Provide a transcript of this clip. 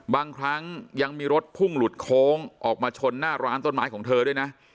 บางครั้งยังมีรถพุ่งหลุดโค้งออกมาชนหน้าร้านต้นไม้ของเธอด้วยนะ